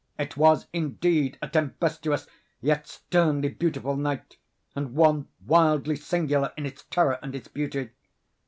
It was, indeed, a tempestuous yet sternly beautiful night, and one wildly singular in its terror and its beauty.